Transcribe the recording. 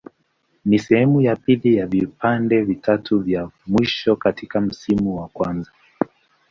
Ni sehemu ya pili ya vipande vitatu vya mwisho katika msimu wa kwanza.